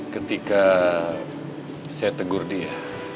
ketika saya tegur dia